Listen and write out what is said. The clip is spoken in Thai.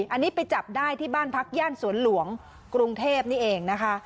อันนี้ไปจับได้ที่บ้านพักย่านสวนหลวงกรุงเทพนี่เองนะคะ